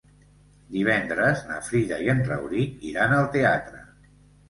Divendres na Frida i en Rauric iran al teatre.